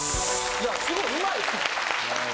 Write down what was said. いやすごい上手いです。